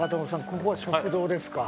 ここは食堂ですか？